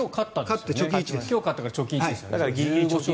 今日勝ったから貯金１ですよね。